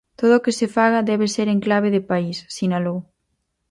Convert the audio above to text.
Todo o que se faga debe ser en clave de país, sinalou.